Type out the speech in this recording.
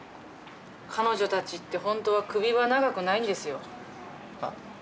彼女たちってホントは首は長くないんですよ。は？